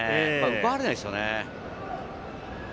奪われないです